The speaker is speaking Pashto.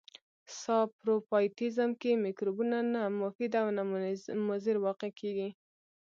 ساپروفایټیزم کې مکروبونه نه مفید او نه مضر واقع کیږي.